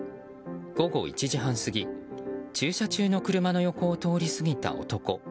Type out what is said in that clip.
午後１時半過ぎ、駐車中の車の横を通り過ぎた男。